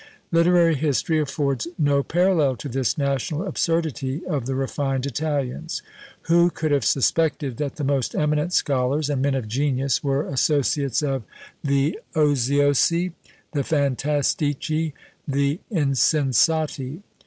Literary history affords no parallel to this national absurdity of the refined Italians. Who could have suspected that the most eminent scholars, and men of genius, were associates of the Oziosi, the Fantastici, the Insensati?